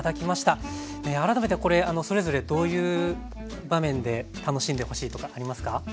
改めてこれそれぞれどういう場面で楽しんでほしいとかありますか？